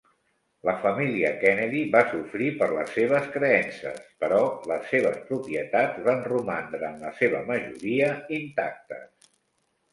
La família Kennedy va sofrir per les seves creences, però les seves propietats van romandre en la seva majoria intactes.